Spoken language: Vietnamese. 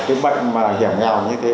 cái bệnh mà hiểu nhau như thế